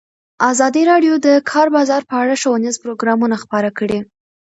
ازادي راډیو د د کار بازار په اړه ښوونیز پروګرامونه خپاره کړي.